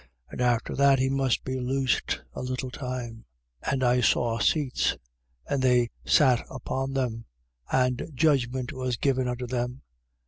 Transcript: And after that, he must be loosed a little time. 20:4. And I saw seats. And they sat upon them: and judgment was given unto them.